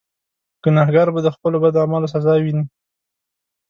ګناهکار به د خپلو بدو اعمالو سزا ویني.